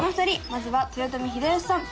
まずは豊臣秀吉さん！